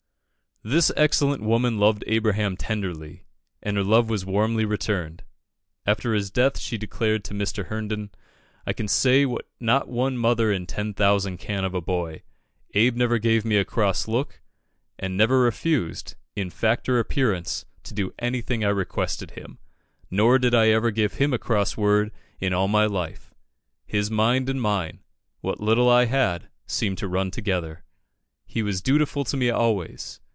This excellent woman loved Abraham tenderly, and her love was warmly returned. After his death she declared to Mr. Herndon "I can say what not one mother in ten thousand can of a boy Abe never gave me a cross look, and never refused, in fact or appearance, to do anything I requested him; nor did I ever give him a cross word in all my life. His mind and mine what little I had seemed to run together. He was dutiful to me always.